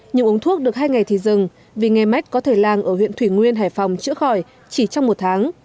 những uống thuốc được hai ngày thì dừng vì nghe mách có thầy lang ở huyện thủy nguyên hải phòng chữa khỏi chỉ trong một tháng